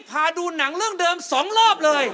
พาดูหนังเรื่องเดิม๒รอบเลย